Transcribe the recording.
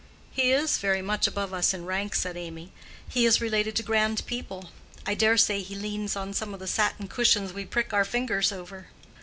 "He is very much above us in rank," said Amy. "He is related to grand people. I dare say he leans on some of the satin cushions we prick our fingers over."